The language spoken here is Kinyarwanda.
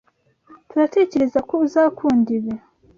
turatekerezako uzakunda ibi.